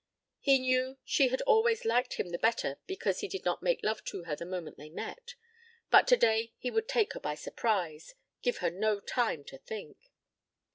He knew she had always liked him the better because he did not make love to her the moment they met, but today he would take her by surprise, give her no time to think.